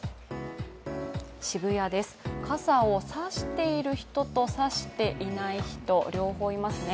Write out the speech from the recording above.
渋谷です、傘を差している人と差していない人、両方いますね。